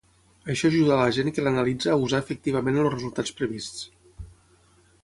Això ajuda a la gent que l'analitza a usar efectivament els resultats prevists.